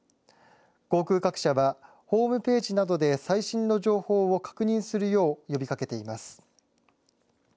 航空各社はホームページなどで最新の情報を確認するよう呼びかけています。